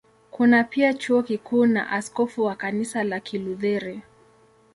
Kuna pia Chuo Kikuu na askofu wa Kanisa la Kilutheri.